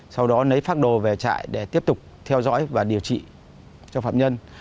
sau đó lấy phác đồ về chạy để tiếp tục theo dõi và điều trị cho phạm nhân